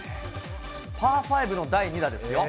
パー５の第２打ですよ。